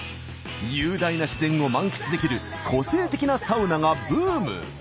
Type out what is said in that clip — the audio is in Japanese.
雄大な自然を満喫できる個性的なサウナがブーム。